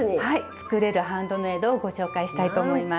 作れるハンドメイドをご紹介したいと思います。